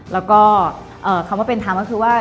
แล้วก็คำว่าเป็นทำคือว่า